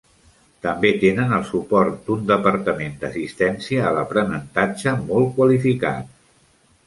També tenen el suport d'un departament d'assistència a l'aprenentatge molt qualificat.